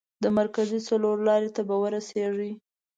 مرکزي څلور لارې ته به ورسېږئ.